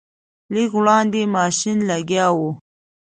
لږ وړاندې ماشین لګیا و.